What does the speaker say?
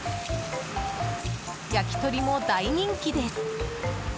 焼き鳥も大人気です。